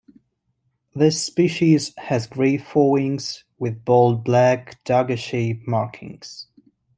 This species has grey forewings with bold black dagger-shaped markings.